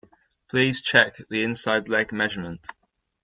Please check the inside leg measurement